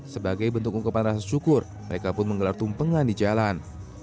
sebagai bentuk ungkapan rasa syukur mereka pun menggelar tumpengan di jalan